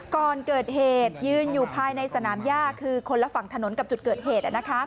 ก่อนเกิดเหตุยืนอยู่ภายในสนามย่าคือคนละฝั่งถนนกับจุดเกิดเหตุ